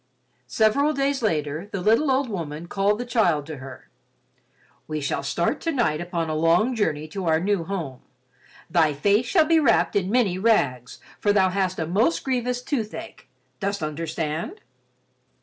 Several days later, the little old woman called the child to her. "We start tonight upon a long journey to our new home. Thy face shall be wrapped in many rags, for thou hast a most grievous toothache. Dost understand?"